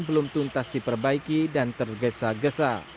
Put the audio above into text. belum tuntas diperbaiki dan tergesa gesa